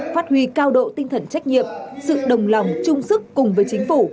phát huy cao độ tinh thần trách nhiệm sự đồng lòng chung sức cùng với chính phủ